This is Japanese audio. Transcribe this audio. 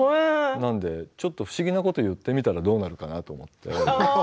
なので不思議なことを言ってみたらどうなるかなと思って。